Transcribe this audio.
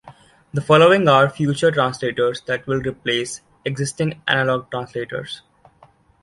The following are future translators that will replace existing analog translators.